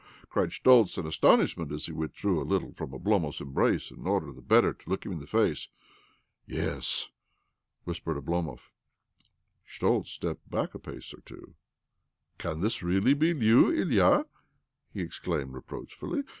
cried Schtoltz in astonishment as he withdrew a little from Oblompv's embrace in order the better to look him in the face. " Yes," whispered Oblomov. OBLOMOV 297 Schtoltz stepped back a pace or two. " Can this really be you, Ilya ?" he ex claimed reproachfully.